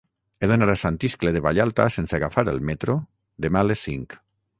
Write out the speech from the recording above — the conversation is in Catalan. He d'anar a Sant Iscle de Vallalta sense agafar el metro demà a les cinc.